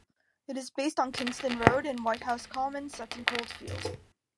It is based on "Kingston Road" in Whitehouse Common, Sutton Coldfield.